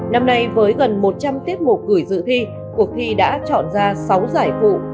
năm nay với gần một trăm linh tiết mục gửi dự thi cuộc thi đã chọn ra sáu giải phụ